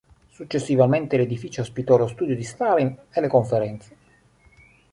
Successivamente l'edificio ospitò lo studio di Stalin e le conferenze.